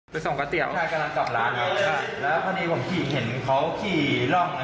ไปส่งก๋อเตี้ยวใครกำลังกลับร้านครับแล้วพอดีผมขี่เห็นเขาขี่รองนะ